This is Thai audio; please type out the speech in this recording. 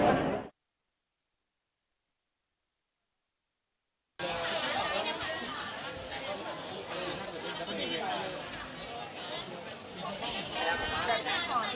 เมื่อเวลาอันดับสุดท้ายมันกลายเป็นอันดับสุดท้ายที่สุดท้าย